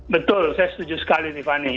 betul saya setuju sekali tiffany